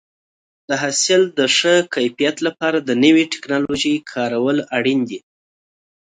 د حاصل د ښه کیفیت لپاره د نوې ټکنالوژۍ کارول اړین دي.